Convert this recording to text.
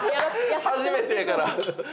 初めてやから。